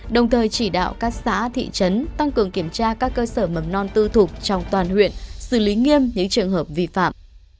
đồng thời chỉ đạo các xã thị trấn tăng cường kiểm tra các cơ sở mầm non tư thục trong toàn huyện xử lý nghiêm những trường hợp vi phạm